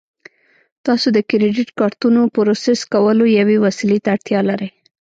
تاسو د کریډیټ کارتونو پروسس کولو یوې وسیلې ته اړتیا لرئ